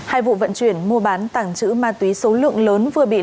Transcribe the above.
hai vụ vận chuyển mua bán tảng chữ ma túy số lượng lớn vừa bị lợi